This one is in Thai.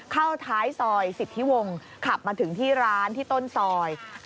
ท้ายซอยสิทธิวงศ์ขับมาถึงที่ร้านที่ต้นซอย